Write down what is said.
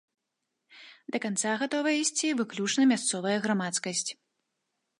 Да канца гатовая ісці выключна мясцовая грамадскасць.